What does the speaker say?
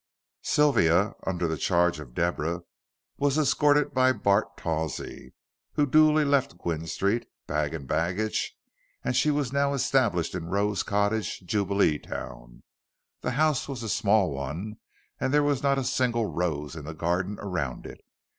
Sylvia, under the charge of Deborah, and escorted by Bart Tawsey, had duly left Gwynne Street, bag and baggage, and she was now established in Rose Cottage, Jubileetown. The house was a small one, and there was not a single rose in the garden around it.